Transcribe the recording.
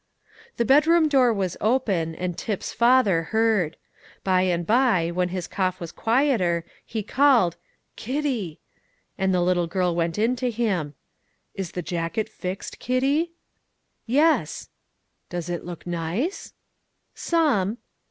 The bedroom door was open, and Tip's father heard. By and by, when his cough was quieter, he called, "Kitty!" and the little girl went in to him. "Is the jacket fixed, Kitty?" "Yes." "Does it look nice?" "Some."